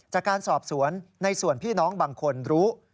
จากการสอบสวนในส่วนพี่น้องบางคนรู้